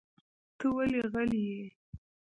ته ولې غلی یې؟